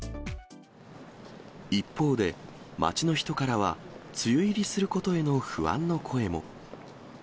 一方で、街の人からは梅雨入りすることへの不安の声も。